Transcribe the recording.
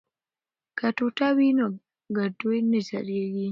که ټوټه وي نو ګوډی نه سړیږي.